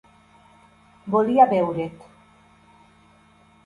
Volia veure't.